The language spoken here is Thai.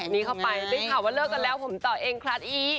นี่เข้าไปด้วยข่าวว่าเลิกกันแล้วผมต่อเองคลัดอีก